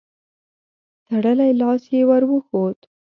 تړلی لاس يې ور وښود.